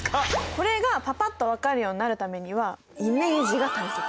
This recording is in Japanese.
これがパパっと分かるようになるためにはイメージが大切。